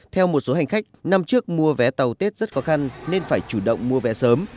theo một số hành khách năm trước mua vé tàu tết rất khó khăn nên phải chủ động mua vé sớm